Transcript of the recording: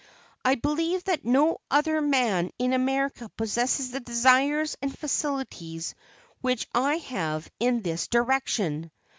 I believe that no other man in America possesses the desire and facilities which I have in this direction.